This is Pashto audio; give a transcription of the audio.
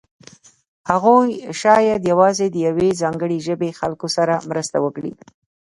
هغوی شاید یوازې د یوې ځانګړې ژبې خلکو سره مرسته وکړي.